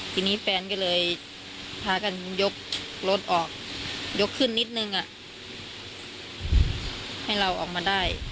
ทีนี้แฟนก็เลยพากันยกรถออกยกขึ้นนิดนึงให้เราออกมาได้